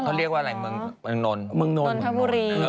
เขาเรียกว่าอะไรเมืองนทบุรี